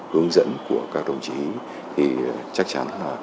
hướng dẫn của các đồng chí thì chắc chắn là